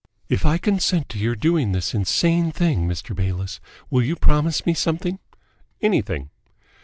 "If I consent to your doing this insane thing, Mr. Bayliss, will you promise me something?" "Anything."